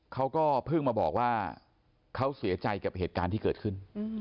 เขาก็เพิ่งมาบอกว่าเขาเสียใจกับเหตุการณ์ที่เกิดขึ้น